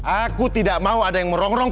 aku tidak mau ada yang merongrong